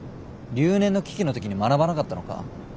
留年の危機の時に学ばなかったのか？